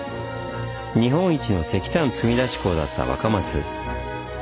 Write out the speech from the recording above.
日本一の石炭積み出し港だった若松。